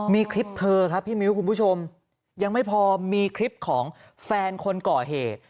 มีคลิปเธอครับพี่มิ้วคุณผู้ชมยังไม่พอมีคลิปของแฟนคนก่อเหตุ